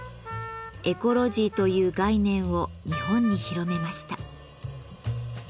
エコロジーという概念を日本に広めました。